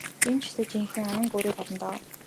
Энэ ч ёстой жинхэнэ ан гөрөө болно доо.